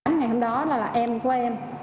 ngày hôm đó là em của em